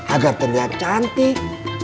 agar terlihat cantik